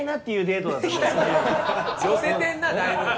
寄せてんなだいぶ。